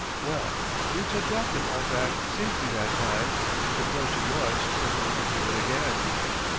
Well, Boots had brought them all back safely that time, but the question was whether he could do it again.